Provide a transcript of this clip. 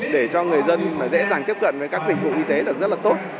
để cho người dân dễ dàng tiếp cận với các dịch vụ y tế được rất là tốt